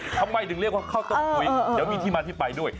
ทำไมถึงเรียกว่าข้าวต้มกุยเดี๋ยวมีที่มาที่ไปด้วย